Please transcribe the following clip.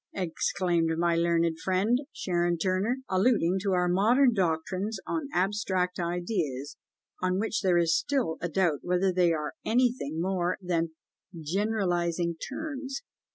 exclaimed my learned friend, Sharon Turner, alluding to our modern doctrines on abstract ideas, on which there is still a doubt whether they are anything more than generalising terms.